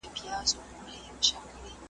مېرمن د ډېرو لوړو حقوقو څخه برخمنه ده.